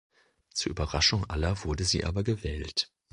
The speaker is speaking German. Zur Überraschung aller wurde sie aber gewählt.